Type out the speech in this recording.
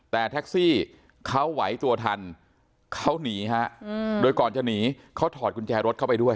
แต่แท็กซี่เขาไหวตัวทันเขาหนีฮะโดยก่อนจะหนีเขาถอดกุญแจรถเข้าไปด้วย